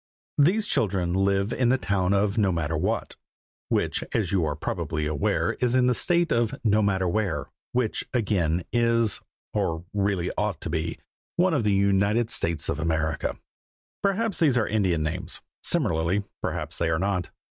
These children live in the town of Nomatterwhat, which, as you are probably aware, is in the State of Nomatterwhere, which again is, or really ought to be, one of the United States of America. Perhaps these are Indian names; similarly, perhaps they are not.